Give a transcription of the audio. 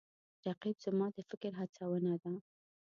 رقیب زما د فکر هڅونه ده